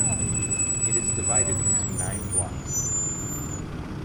It is divided into nine blocks.